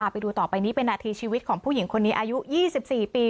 ไปดูต่อไปนี้เป็นนาทีชีวิตของผู้หญิงคนนี้อายุ๒๔ปี